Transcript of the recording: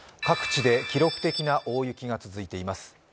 各地で記録的な大雪が続いています。